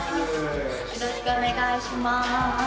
よろしくお願いします。